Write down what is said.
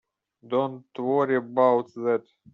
Don't worry about that.